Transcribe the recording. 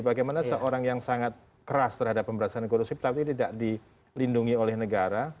bagaimana seorang yang sangat keras terhadap pemberantasan korupsi tapi tidak dilindungi oleh negara